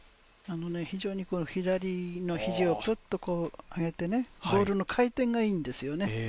非常に左の肘を上げてね、ボールの回転がいいんですよね。